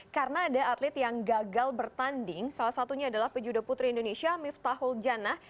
karena ada atlet yang gagal bertanding salah satunya adalah pejude putri indonesia miftahul jana